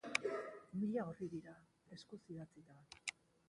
Mila orri dira, eskuz idatzita.